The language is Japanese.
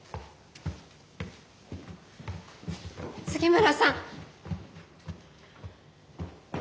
杉村さん！